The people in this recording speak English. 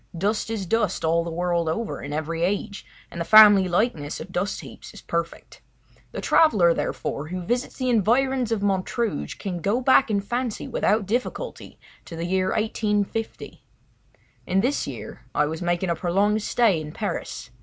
Dust is dust all the world over, in every age, and the family likeness of dust heaps is perfect. The traveller, therefore, who visits the environs of Montrouge can go go back in fancy without difficulty to the year 1850. In this year I was making a prolonged stay in Paris.